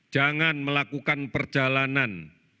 jangan melakukan perjalanan